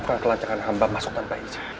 maafkan kelanjakan hamba masuk tanpa izin